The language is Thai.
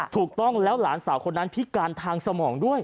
ถูกต้องแล้วหลานสาวคนนั้นพิการทางสมองด้วย